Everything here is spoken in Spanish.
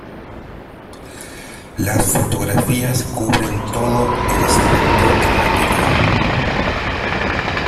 Las fotografías cubren todo el espectro temático.